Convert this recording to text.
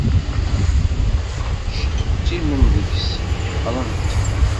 Ttcettimen deg-s, ḥeqqren-t.